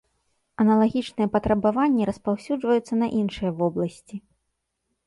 Аналагічныя патрабаванні распаўсюджваюцца на іншыя вобласці.